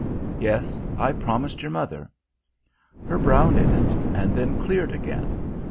"Yes; I promised your mother." Her brow knitted, and then cleared again.